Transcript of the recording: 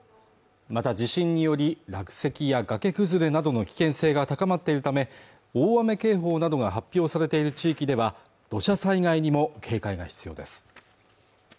また地震により落石や崖崩れなどの危険性が高まっているため大雨警報などが発表されている地域では土砂災害にも警戒が必要です